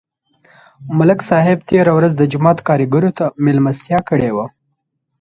ملک صاحب تېره ورځ د جومات کارګرو ته مېلمستیا کړې وه